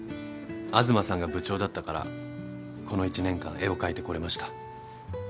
東さんが部長だったからこの１年間絵を描いてこれました。